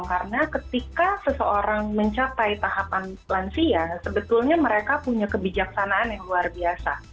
karena ketika seseorang mencapai tahapan lansia sebetulnya mereka punya kebijaksanaan yang luar biasa